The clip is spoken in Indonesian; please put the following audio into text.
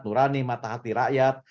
nurani matahati rakyat